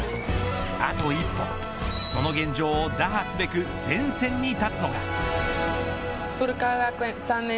あと一歩その現状を打破すべく前線に立つのが。